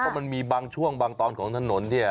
เพราะมันมีบางช่วงบางตอนของถนนเนี่ย